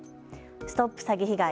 ＳＴＯＰ詐欺被害！